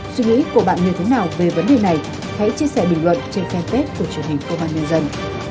suy nghĩ của bạn như thế nào về vấn đề này hãy chia sẻ bình luận trên fanpage của truyền hình công an nhân dân